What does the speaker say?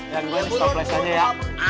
yang gue instableis zanya ya